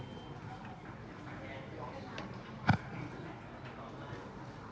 ข้างข้างไม่ได้ข้างข้างไม่ได้